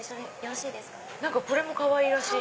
何かこれもかわいらしい。